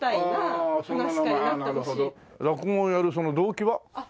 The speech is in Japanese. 落語をやるその動機は？